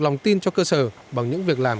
lòng tin cho cơ sở bằng những việc làm